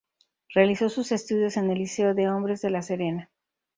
Realizó sus estudios en el Liceo de Hombres de La Serena.